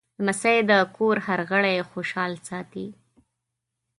لمسی د کور هر غړی خوشحال ساتي.